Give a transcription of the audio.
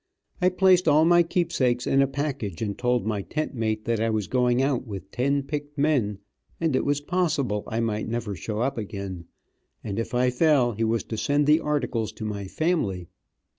I placed all my keepsakes in a package, and told my tent mate that I was going out with ten picked men, and it was possible I might never show up again, and if I fell he was to send the articles to my family.